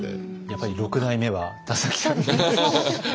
やっぱり六代目は田崎さん。